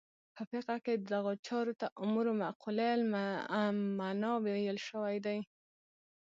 په فقه کې دغو چارو ته امور معقوله المعنی ویل شوي.